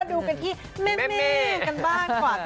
ดูกันที่แม่กันบ้างกว่า